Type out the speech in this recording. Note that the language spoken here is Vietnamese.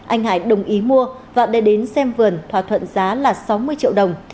anh hải đồng ý mua và đem đến xem vườn thỏa thuận giá là sáu mươi triệu đồng